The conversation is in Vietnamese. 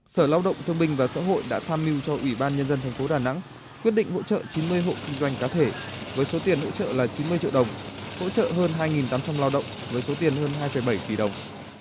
sở lao động thương binh và xã hội đã tham mưu cho ủy ban nhân dân thành phố đà nẵng quyết định hỗ trợ chín mươi hộ kinh doanh cá thể với số tiền hỗ trợ là chín mươi triệu đồng hỗ trợ hơn hai tám trăm linh lao động với số tiền hơn hai bảy tỷ đồng